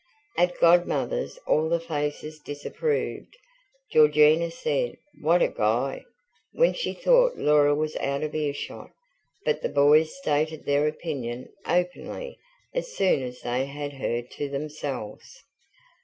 At Godmother's all the faces disapproved: Georgina said, "What a guy!" when she thought Laura was out of earshot; but the boys stated their opinion openly as soon as they had her to themselves.